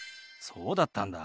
そうだったんだ。